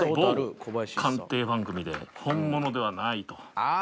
某鑑定番組で、本物ではないと。